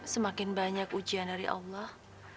semakin banyak ujian dari allah